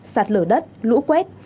sạt lở đất lũ quét